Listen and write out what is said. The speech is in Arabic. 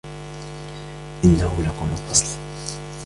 إنه لقول فصل